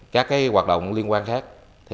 các hoạt động liên quan khác